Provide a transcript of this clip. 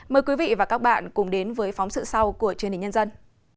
mời quý vị và các bạn cùng đến với phóng sự sau của truyền hình nhân dân